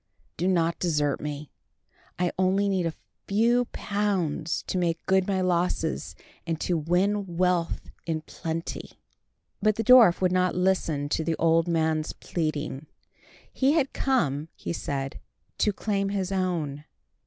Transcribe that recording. Do not desert me. I only need a few pounds to make good my losses and to win wealth in plenty." But the dwarf would not listen to the old man's pleading. He had come, he said, to claim his own.